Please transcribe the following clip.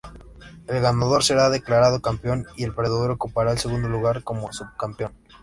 El ganador será declarado Campeón y el perdedor ocupará el segundo lugar como Subcampeón.